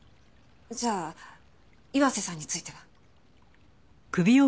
じゃあ岩瀬さんについては？